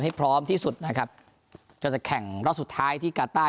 ให้พร้อมที่สุดนะครับก็จะแข่งรอบสุดท้ายที่กาต้า